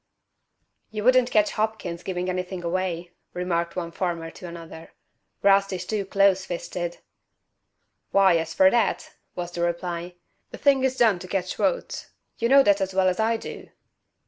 "You wouldn't catch Hopkins giving anything away," remarked one farmer to another. "'Rast is too close fisted." "Why, as fer that," was the reply, "the thing is done to catch votes. You know that as well as I do."